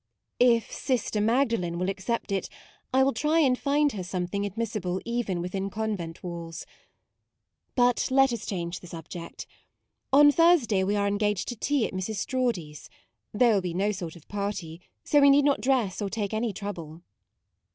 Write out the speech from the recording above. " If Sister Magdalen will accept it, I will try and find her something admissible even within convent walls. But let us change the subject. On Thursday we are engaged to tea at Mrs. Strawdy's. There will be no sort of party, so we need not dress or take any trouble."